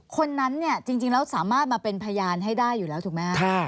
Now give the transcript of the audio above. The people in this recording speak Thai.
คนนั้นเนี่ยจริงแล้วสามารถมาเป็นพยานให้ได้อยู่แล้วถูกไหมครับ